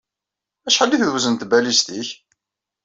Acḥal ay tewzen tbalizt-nnek?